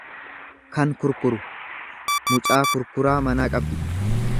kan kurkuru; Mucaa kurkuraa manaa qabdi.